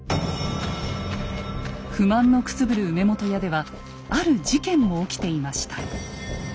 不満のくすぶる梅本屋ではある事件も起きていました。